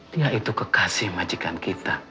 tinggal itu kekasih majikan kita